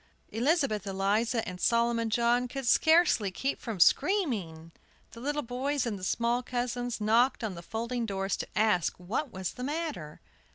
Elizabeth Eliza and Solomon John could scarcely keep from screaming. The little boys and the small cousins knocked on the folding doors to ask what was the matter.